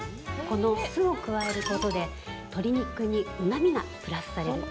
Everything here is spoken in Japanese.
◆この、酢を加えることで鶏肉にうまみがプラスされる。